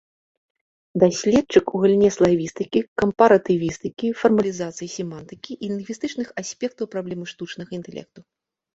Даследчык у галіне славістыкі, кампаратывістыкі, фармалізацыі семантыкі і лінгвістычных аспектаў праблемы штучнага інтэлекту.